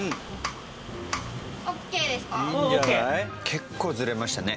結構ズレましたね